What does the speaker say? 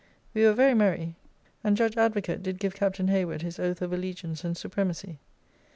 We were very merry, and judge Advocate did give Captain Hayward his Oath of Allegiance and Supremacy.